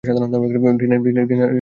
Dinner ছাড়াই dating আরকি।